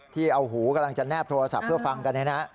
ที่เอาหูกำลังจะแนบโทรศัพท์เพื่อฟังกัน